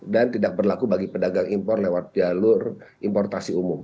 dan tidak berlaku bagi pedagang impor lewat jalur importasi umum